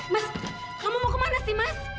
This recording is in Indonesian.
mas kamu mau kemana sih mas